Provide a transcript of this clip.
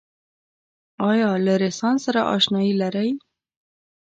آیا له رنسانس سره اشنایې لرئ؟